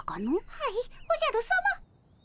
はいおじゃるさま。